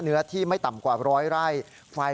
เนื้อที่ไม่ต่ำกว่าร้อยไร่